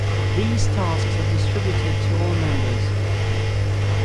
These tasks are distributed to all members.